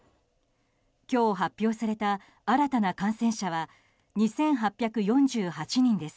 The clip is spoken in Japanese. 今日発表された新たな感染者は２８４８人です。